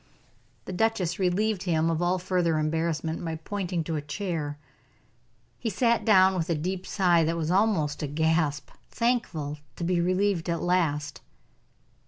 The duchess relieved him of all further embarrassment by pointing to a chair. He sat down with a deep sigh that was almost a gasp thankful to be relieved at last.